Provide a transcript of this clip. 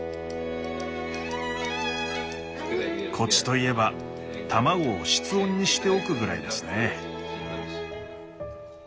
コツといえば卵を室温にしておくぐらいですね。